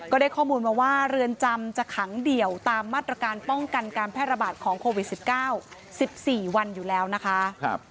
ได้ข้อมูลมาว่าเรือนจำจะขังเดี่ยวตามมาตรการป้องกันการแพร่ระบาดของโควิด๑๙๑๔วันอยู่แล้วนะคะ